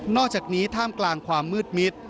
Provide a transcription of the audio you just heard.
อกจากนี้ท่ามกลางความมืดมิด